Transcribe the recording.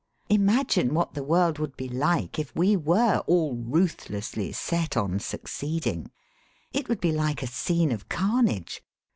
'^Imagine what the world would be like if we were all ruthlessly set on 'succeeding'! It would be like a scene of carnage.